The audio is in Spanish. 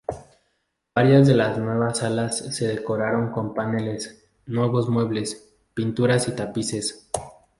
Varias de las nuevas salas se decoraron con paneles, nuevos muebles, pinturas y tapices.